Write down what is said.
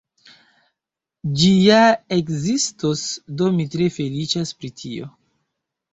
Ĝi ja ekzistos, do mi tre feliĉas pri tio